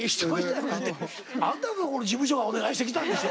あんたんとこの事務所がお願いしてきたんでしょ。